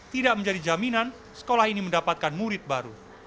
tidak menjadi jaminan sekolah ini mendapatkan murid baru